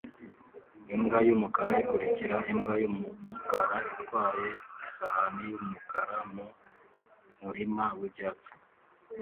imbwa yumukara ikurikira imbwa yumukara itwaye isahani yumukara mu murima wibyatsi